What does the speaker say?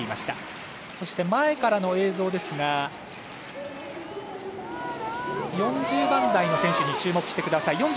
そして、前からの映像ですが４０番台の選手に注目してください。